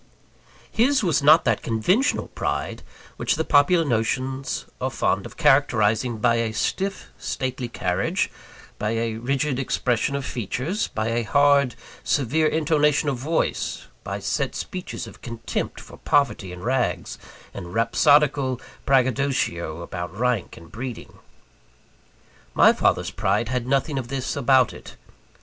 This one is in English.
His was not that conventional pride, which the popular notions are fond of characterising by a stiff, stately carriage; by a rigid expression of features; by a hard, severe intonation of voice; by set speeches of contempt for poverty and rags, and rhapsodical braggadocio about rank and breeding. My father's pride had nothing of this about it.